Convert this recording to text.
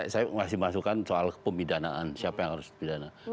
saya masih masukkan soal pemidanaan siapa yang harus pidana